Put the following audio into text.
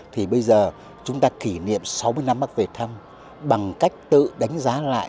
thì bây giờ chúng ta kỷ niệm sáu mươi năm bắc về thăm bằng cách tự đánh giá lại